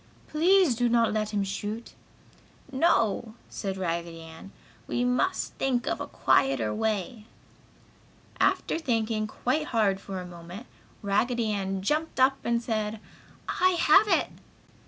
"Please do not let him shoot!" "No!" said Raggedy Ann. "We must think of a quieter way!" After thinking quite hard for a moment, Raggedy Ann jumped up and said: "I have it!"